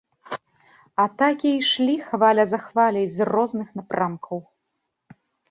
Атакі ішлі хваля за хваляй з розных напрамкаў.